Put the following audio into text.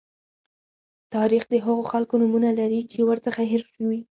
تاریخ د هغو خلکو نومونه لري چې ورڅخه هېر شوي.